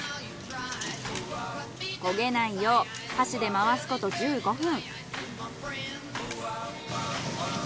焦げないよう箸で回すこと１５分。